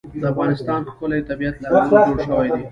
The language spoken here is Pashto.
د افغانستان ښکلی طبیعت له انګورو جوړ شوی دی.